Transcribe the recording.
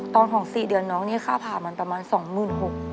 ตอนของสี่เดือนน้องนี้ค่าภาพมันประมาณสองหมื่นหก